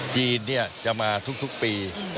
จีนจะมาทุกปี